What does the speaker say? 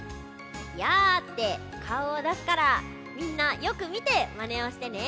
ってかおをだすからみんなよくみてまねをしてね。